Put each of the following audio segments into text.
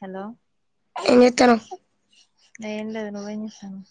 Hello ఏం చేత్తన్నావ్ ఏం లేదు నువ్వు ఏం చేస్తాన్నావు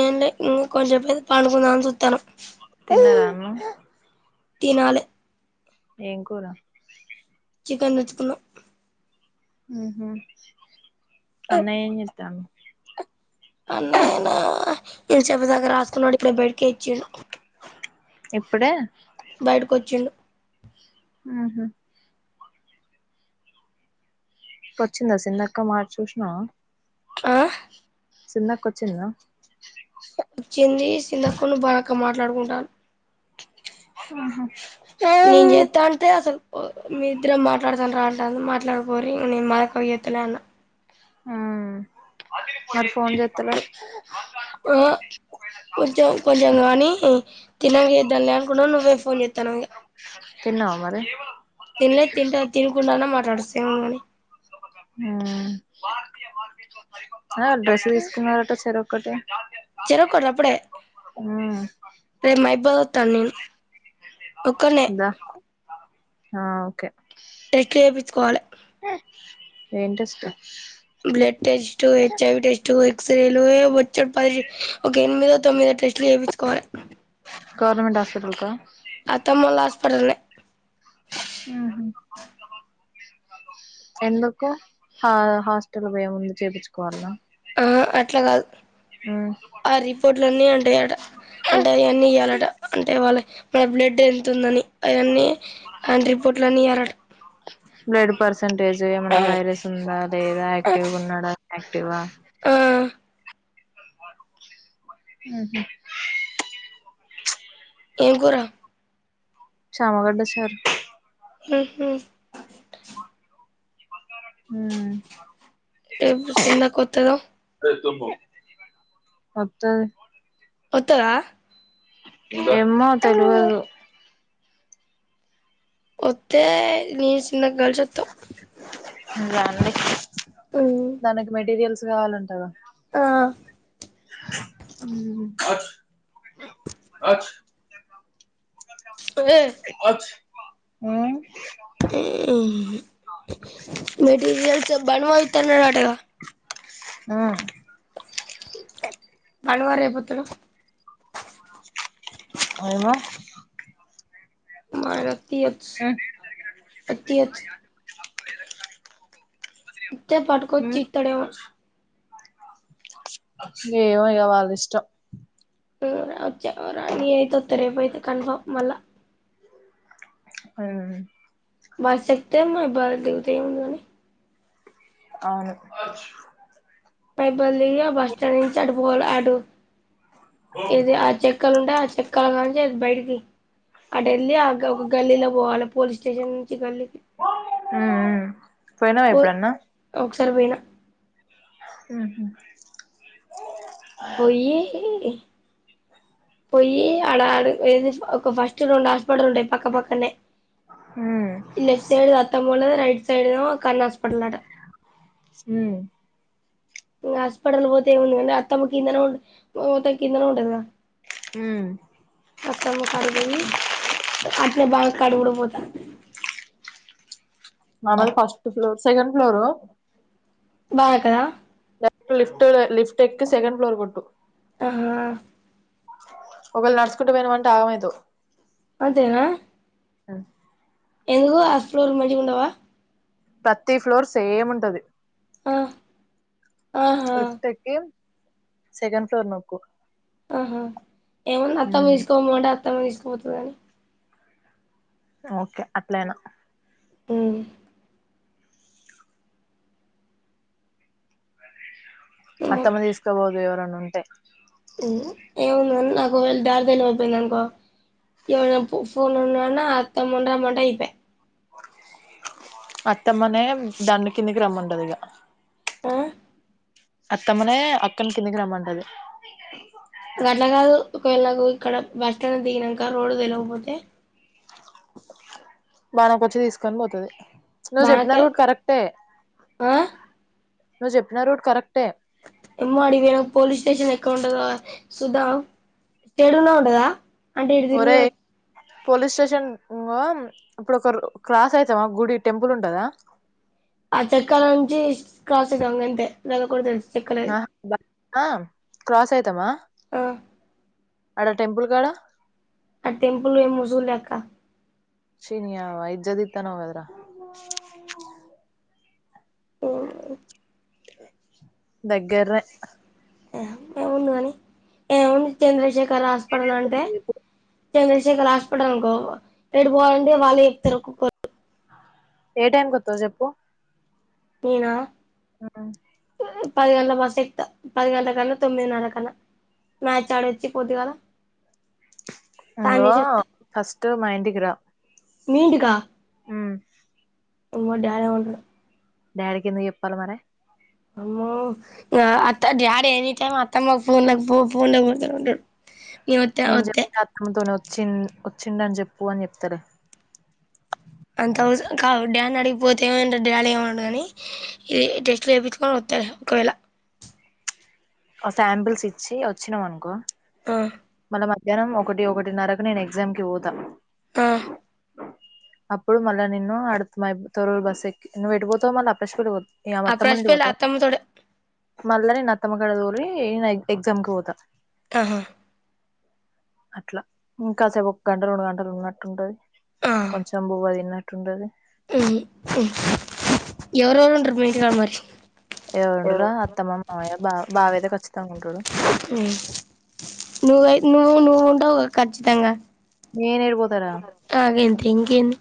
ఏం లే ఇంక కొంచెం సేపు పడుకుందాం అని చూతన్నా తిన్నావా అన్నం తినాలే ఏం కూర చికెన్ తెచ్చుకున్నాం ఉహుమ్ అన్నయ్య ఏం చేస్తాండు. అన్నయ్యనా ఇ చెప్ప దగ్గర రాసుకున్నాడు ఇప్పుడే బయటకి వచ్చిండు ఇప్పుడు ఏ బయట కొచ్చిండు ఉహుమ్ వచ్చిందా చిన్న అక్క మార్ చూసినావా ఆ చిన్న అక్క వచ్చిందా వచ్చింది చిన్న అక్కవోలు భానుక్క మాట్లాడుకుంటాలు ఆహా నేను చేస్తా అంటే అసలు మీ ఇద్దరం మాట్లాడత రండి రా అంటది మాట్లాడక పోరి నేను మా అక్కకి చేస్తా అన్న ఉమ్ మరి ఫోన్ చేస్త లేడు ఆ కొంచెం కొంచెం గానీ తినాంక చేద్దాంలే అనుకున్న నువ్వే పోన్ చేతానవ్ ఇక తిన్నావా మరి తిన లే తింటా తినకుండానే మాట్లా ఉమ్ ఆ డ్రెస్ తీసుకున్నారంటా చేరో ఒకటి చెరోకటి అప్పుడే మ్మ్ రేపు మా ఇబ్బందిస్తాను నేను ఒక్కడినే దా ఆ ఓకే చేయించుకోవాలి ఏం test blood test H I V test ఎక్సరేలు వచ్చే పది ఒక ఎనిమిదో తొమ్మిదో టెస్ట్లు చేపించుకోవాలే గవర్నమెంట్ హాస్పిటల్ కా అత్తమ్మోల హాస్పిటల్నే ఊహు ఎందుకో హాస్టల్ పోముంది చేపిచ్చుకోవాలా ఆహ అట్ల కాదు ఆ రిపోర్ట్లు అన్నీ అంటే అంటే ఇయన్నీ ఇయ్యాలంట అంటే వాళ్ళకి మన బ్లడ్ ఎంంత ఉందని అయన్నీ ఆయన రిపోర్ట్ల అన్నీ ఏరాట పర్ంటేజ్ వైరస్ ఉందా లేదా యాక్టివ్ గ ఉన్నాడా యాక్టివ్ ఆ ఆహ ఏం కూర చమగడ్డ చార్ ఉహు ఉ రేపు చిన్నక్క వత్తదా వత్తది వత్తదా ఏమ్మో తెలవదు వత్తే నీస్ దానివి దాని మెటీరియల్స్ కావాలంటగా ఆ ఉమ్ అచ్చ ఏ ఉ మెటీరియల్స్ బన్వా ఇతనటగా ఆ అన్వా రేపోత్తడు అయినా మ ఆయనక తివచ్ అతి వచ్ ఉత్తే ఉమ్ పటుకుొచ్చీ త్త డేమో ఏమో ఇగ వాళ్ళ ఇష్టం వచ్చె రానీ అయితె వస్తె రేపు అయితే కన్ఫర్మ్ మళ్ళ అ బస్ ఎక్తే మ బస్ దిగుతె ఏముంది గాని అవును బల్లిగా బస్ స్టాండ్ నుంచి అటు పోవాలె అటు ఏది ఆ చె చక్కలు ఉంటే ఆ చెక్కలు కాని నుంచి బయటికి అటెళ్ల్లి ఆ ఒక గల్లీలో పోవాలె పోలీస్ స్టేషన్ నుంచి గల్లీకి మ్మ్ మ్మ్ పోయినావా పోయ్ ఎప్పుడన్నా ఒకసారి పోయినా ఊహు పోయి పోయి అడ ఏ ఫస్ట్ రెండు హస్పిటల్ ఉంటయి పక్క పక్క నె మ్మ్ లెఫ్ట్ సైడ్ అత్తమ్మ వాల్లది రైట్ సైడ్ కరుణ హాస్పిటల్ అంట మ్ ఇంక హాస్పిటల్ పోతే ఏముంది కంటే అతమ్మ కిందన ఉ మత కిందనే ఉంటది కదా ఉ రత్తమ్ము కాడికి పోయి అట్టనే బావా కాడికి కూడా పోతా మాదే ఫస్ట్ ఫ్లోర్ సెకండ్ ఫ్లోరు బా కదా లిఫ్ట్ లిఫ్ట్ ఎక్కి సెకండ్ ఫ్లోర్ కొట్టు ఆహా ఒకవేళ నడుచుకుంట పోయినవ్ అంటే ఆగమైతవ్ అంతేనా ఆ ఎందుకు ఆ ఫ్లోర్ మంచిగా ఉండవా ప్రతి ఫ్లోర్ సేమ్ ఉంటది ఆ ఆహా లిఫ్ట్ ఎక్కి సెకండ్ ఫ్లోర్ నోక్కు ఆహా ఏమన్నా అత్తమ్మ తీసుకోమంటే అత్తమ్మ తీసుకుపోతుదని ఓకే అట్లయినా ఏ అత్తమ్మ తీసుకబోదు ఎవరన్న ఉంటే ఉం ఏముందండి నాకు దారి తెలవక పోయింది అనుకో ఇవ పూనన్నన్నా అత్త మూండ మంటా ఇప [unintelligible] అత్తమ్మనే దాన్ని కిందికి రమ్మంటది ఇక హ అత్తమ్మనే అక్కను కిందికి రమ్మంటది గట్ల కాదు ఒకవేళ ఇక్కడ బస్ స్టాండ్ దిగినాక రోడ్డు తెలవకపోతే బానక్క వచ్చి తీసుకొని పోతది నువ్వు చెప్పిన బానక రూట్ కరెక్టే ఆ నువ్ చెప్పిన రూట్ కరెక్ట్ ఏమ్మా అడికి పోయినక పోలీస్ స్టేషన్ ఎక్కడ ఉంటదో చూద్దాం చెడున్నా ఉండదా అంటే ఇ తిరుగు ఒరే [unintelligible] పోలీస్ స్టేషన్ ఇంగో ఇప్పుడు ఒక క్రాస్ అయితామా గుడి టెంపుల్ ఉంటదా ఆ చక్రం లో నుంచి క్రాస్ అయితం గంతే అది ఒక్కటి తెలుసు చెక్కలది ఆ బా ఆ క్రాస్ అయితమా ఆ అడ టెంపుల్ కాడ ఆడ టెంపుల్ ఏమో చూడలే అక్క చి నీ అవ్వ ఇజ్జత్ తీత్తనవ్ కదా రా హమ్ దగ్గరనే ఏముందిగాని ఏముంది చంద్రశేఖర్ హాస్పిటల్ అంటే చంద్రశేఖర్ హాస్పిటల అనుకో ఎటు పోవాలంటే వాళ్ళే చెప్తారు ఒకొక ఏ టైంకి కొత్తవ్ చెప్పు నేనా ఆ పది గంటల బస్ ఎక్కుత పది గంటల కన్నా తొమ్మిది నర కన్నా మ్యాచ్ ఆడోచ్చి పొద్దు గాల ఇంగొ ఫస్ట్ మా ఇంటికి రా మీ ఇంటికా ఉం ఇంగో డాడీ ఉంటడు డాడీకి ఎందుకు చెప్పాల మరి అ అత్త డాడీ ఎనిటైమ్ అత్తమ్మకు ఫోన్లో, ఫో ఫో ఫోన్ కొడుతుంటాడు నేను చెప్తే అత్తమ్మతోనే వచ్చి వచ్చిండ అని చెప్పు అని చెప్తార అంతవసరం కా డ్యాడ్ నడిగిపోతేమైందిర డ్యాడ్ ఏమన్డు గనీ ఇది టెస్ట్ చేపిచ్చుకొ సరే ఒకవేళ ఆ శాంపిల్స్ ఇచ్చి వచ్చినాం అనుకో ఆ మధ్యాహ్నం ఒకటి ఒకటిన్నరకు నేను ఎగ్జామ్ కి పోతా ఆ అప్పుడు మళ్ళ నిన్నూ అడు మైబ్ తరూర్ బస్సెక్కి నువ్వేటు బోతవ్ మళ్ళ ఆ ప్రష్ ఏ మా ఆ అత్తమ్మవాళ్ళ బ్రష్ ఇంటికి పెళ్ళి పోత అత్తమ్మతోటే మళ్ళ నేనత్తమ్మ కాడ తోలీ న ఎగ్జమ్కి పోత ఆహ అట్లా ఇంకాసేపు ఒక గంట రెండు గంటలు ఉన్నట్టుంటది కొంచెం బూయనట్టు ఉంటది హ్ ఎవరెవరుంటరు మీ ఇంటి కాడ మరి ఎవరుంటరా అత్తమ్మ మ మామయ్య బా బావైతె ఖచ్చితంగుంటడు నువ్వై నువ్వు నువ్వు ఉంటావు ఖచ్చితంగా నేను ఏడిపోతారా ఆ గింతె ఇంకేంది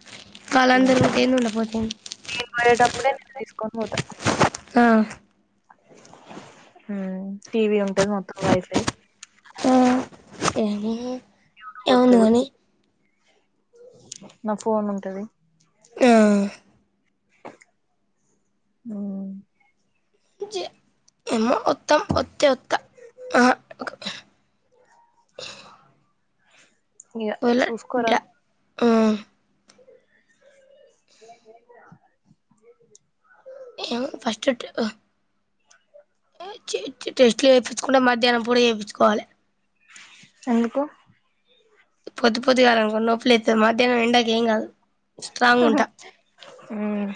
వాళ్లందరు ఉంటెంది ఉండపోతెంది నేను పోయేటప్పుడే నేను తీసుకొని పోతా ఆ టీవీ ఉంటది మొత్తం వైఫై ఎమ యూటూబొత్తది నా ఫోన్ ఉంటది ఆ అ జ ఏమో ఒత్తమ్ వొతే ఒత్త ఇగ సూస్కోరా ఉ [unintelligible] ఫస్ట్ ట అ టెస్ట్లు చేపించుకోవాలంటే మధ్యాహ్నం పూట చేయించుకోవాలి ఎందుకు పొద్దు పొద్దుగా నొప్పులైతే మాదిరి ఎండకేం కాదు స్ట్రాంగ్ హహ ఉంటా ఊ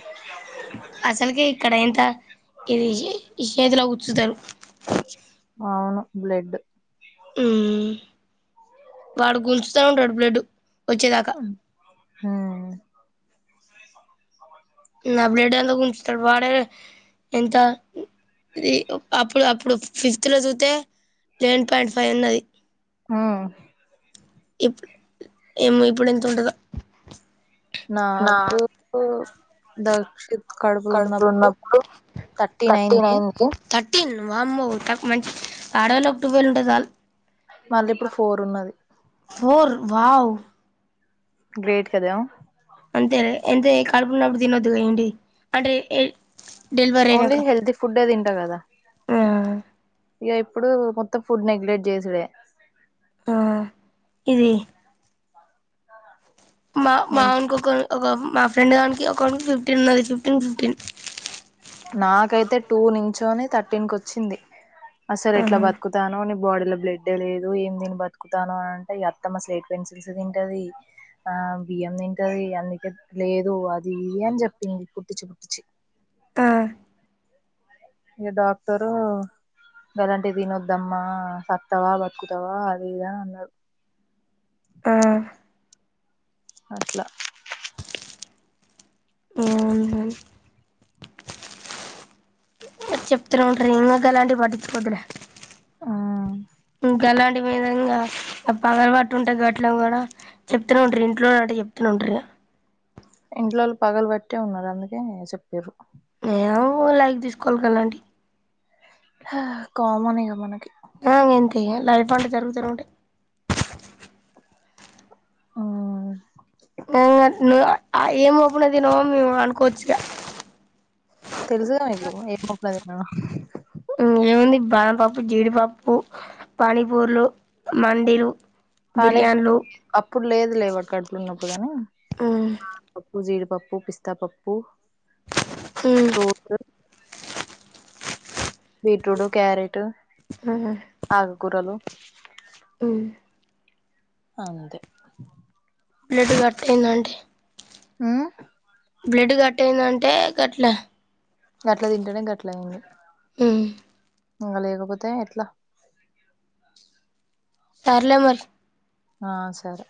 అసలుకి ఇక్కడ ఎంత ఇది ఇ శేతుల గుచ్చుతరు బ్లెడ్ ఉ వాడు గుంజుతా ఉంటాడు బ్లడ్డు వచ్చేదాకా హ నా బ్లెడ్డంత గుంజుతడు వాడే ఎంత ఇ అప్పుడు అప్పు ఇప్పుడు ఫిజికల్ గా చూత్తే లెవెన్ పాయింట్ ఫైవ్ ఉన్నది ఉమ్ ఇప్పు ఏమో ఇప్పుడు ఎంత ఉంటదో నా నాకు దక్షిత్ కడుపులు కడుపులో ఉన్నప్పుడు నొప్పి థర్టీన్ థర్టీ అయింది నైన్ కి వామ్మో తక్ మంచ్ ఆడోళ్ళకి టువెల్ ఉంటే చాలు మళ్ళీ ఇప్పుడు ఫోర్ ఉన్నది ఫోర్ వావ్ గ్రేట్ కదా అంతే ఎంత కడుపునొప్పి తినొద్దుగా ఏంటి అంటే డెలివరీ ఓన్లీ అయినాక హెల్తీ ఫుడ్ డే తింటా కదా ఆ ఇక ఇప్పుడు మొత్తం ఫుడ్ నెగ్లెక్ట్ చేసుడే ఆ ఇది మా మా కి ఒక ఒక మా ఫ్రెండ్ గనికి ఒకకి ఫిఫ్టీన్ ఉన్నది ఫిఫ్టీన్ ఫిఫ్టీన్ నాకైతే టూ నించోని థర్టీన్ కి వచ్చింది అస్సలు ఎట్లా ఆహా బతుకుతానవో నీ బోడీ బ్లడ్ డే లేదు ఏం దీని బతుకుతాను అంటే అత్తమ స్లేట్ పెన్సిల్స్ తింటది ఆ బియ్య బియ్యం తింటది అందుకే లేదు అది ఇది అని చెప్పింది పొట్టి ఇచ్చి పుట్టించి ఆ ఇగ డాక్టరు గలాంటియ్యి తినొద్దు దమ్మా సత్తవా బతుకుతవా అది ఇదా అన్నాడు ఆ అట్లా అవునా చెప్తానే ఉంటారు గలాంటివి పట్టించుకోవద్దులే గలాంటి [inaudible] పగలవాటు ఉంటాయి ఘట్లో కూడా చెప్తూ ఉంట ఇంట్లో అట చెప్తు ఉంటారు ఇంట్లోళ్ళు పగలుబట్టే ఉన్నారు అందుకే చెప్పిర్రు ఏమో లైక్ తీసుకో గలాంటియి హ కామన్ ఇగ మనకి దే లైఫ్ అట్ట జరుగుతూనే ఉంటది ఆ ను ఏం ప్పున తినమో మేము అనుకోవచ్చుగా తెలుసుదా మీకు ఏం మోపన తిన్న ఓ ఏముంది బానపప్పు జీడిపప్పు పనీపూర్లు మండిలు బిర్యానులు ఇప్పుడు లేదు లేబట్ అట్లునప్పు కాని ఆ పప్పు పిస్తా పప్పు బీట్రూట్ క్యారెట్ టు ఆకుకూరలు అంతే బ్లడ్ కట్టిందంటే ఆ బ్లడ్ కట్టేదంటే గట్ల గట్లా తింటానే గట్లా అయింది ఉమ్ ఉంగ లేకపోతే ఎట్లా సర్లే మరి ఆ సరే